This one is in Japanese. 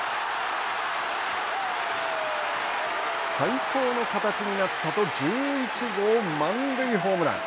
最高の形になったと１１号満塁ホームラン。